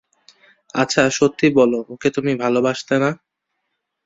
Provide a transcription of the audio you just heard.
আচ্ছা, সত্যি বলো, ওকে তুমি ভালোবাসতে না?